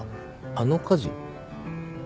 あの火事？